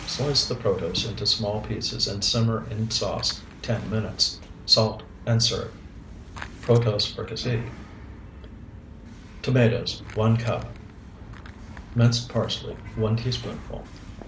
Slice the protose into small pieces and simmer in sauce ten minutes. Salt, and serve. PROTOSE FRICASSEE Tomatoes, 1 cup. Minced parsley, 1 teaspoonful.